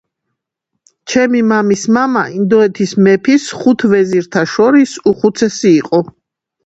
ჩემი მამის მამა ინდოეთის მეფის ხუთ ვეზირთა შორის უხუცესი იყო